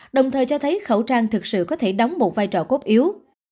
đồng thời cho thấy khẩu trang thực sự có thể đóng một vai trò cốt yếu